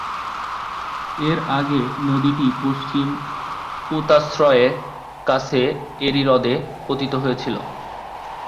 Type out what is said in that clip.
এর আগে নদীটি পশ্চিম পোতাশ্রয়ের কাছে এরি হ্রদে পতিত হয়েছিল।